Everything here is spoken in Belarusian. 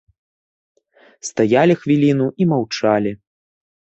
Стаялі хвіліну і маўчалі.